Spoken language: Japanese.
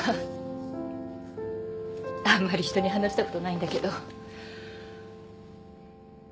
あんまり人に話したことないんだけど。